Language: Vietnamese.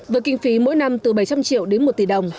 với kinh phí mỗi năm từ bảy trăm linh triệu đến một tỷ đồng